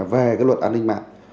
về luật an ninh mạng